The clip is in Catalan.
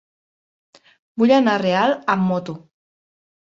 Vull anar a Real amb moto.